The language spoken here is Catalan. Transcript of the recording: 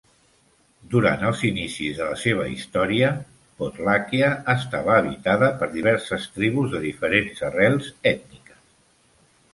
Durant els inicis de la seva història, Podlàquia estava habitada per diverses tribus de diferents arrels ètniques.